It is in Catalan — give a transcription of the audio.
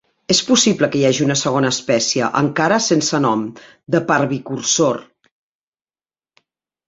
És possible que hi hagi una segona espècie, encara sense nom, de "Parvicursor".